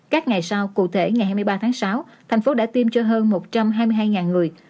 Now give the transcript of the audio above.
các ngày sau cụ thể ngày hai mươi ba tháng sáu thành phố đã tiêm cho hơn một trăm hai mươi hai người